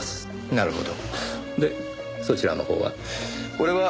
なるほど。